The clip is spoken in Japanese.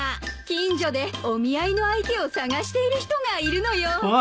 近所でお見合いの相手を探している人がいるのよ。